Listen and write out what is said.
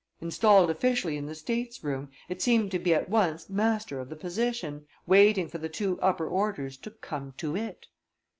Installed officially in the statesroom, it seemed to be at once master of the position, waiting for the two upper orders to come to it.